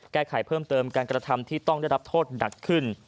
แก้ไขเพิ่มเติมการกระทำที่ต้องได้รับโทษหนักขึ้น